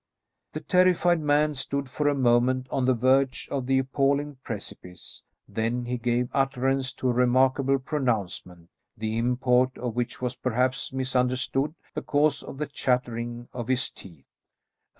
"] The terrified man stood for a moment on the verge of the appalling precipice; then he gave utterance to a remarkable pronouncement, the import of which was perhaps misunderstood because of the chattering of his teeth.